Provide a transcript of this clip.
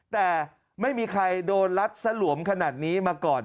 แต่ไม่มีใครโดนรัดสลวมขนาดนี้มาก่อน